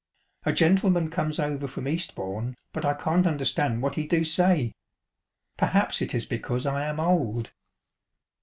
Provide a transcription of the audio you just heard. A gentleman comes over from Eastbourne, but I can't understand what he do say. Perhaps it is because I am old."